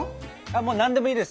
何でもいいです！